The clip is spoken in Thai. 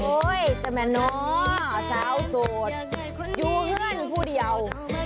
โอ้ยจะแม่เนาะสาวโสดอยู่เพื่อนผู้เดียว